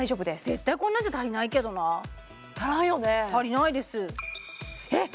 絶対こんなんじゃ足りないけどな足らんよね足りないですえっ